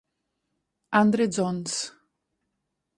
Andre Jones